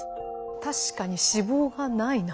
確かに脂肪がないな。